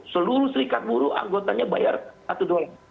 seluruh serikat buruh anggotanya bayar satu dolar